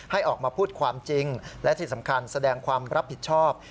ให้ออกมาพูดความจริงและที่สำคัญแสดงความรับผิดชอบ